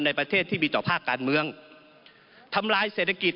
ในประเทศที่มีต่อภาคการเมืองทำลายเศรษฐกิจ